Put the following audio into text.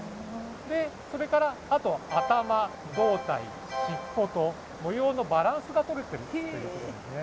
それからあとは頭、胴体、尻尾と模様のバランスがとれているということですね。